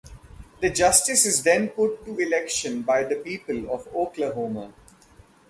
The justice is then put to election by the people of Oklahoma.